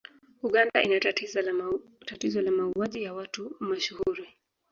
Uganda ina tatizo la mauwaji ya watu mashuhuri